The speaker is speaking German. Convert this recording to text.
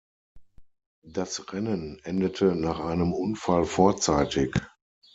Das Rennen endete nach einem Unfall vorzeitig.